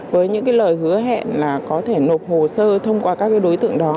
với những lời hứa hẹn là có thể nộp hồ sơ thông qua các đối tượng đó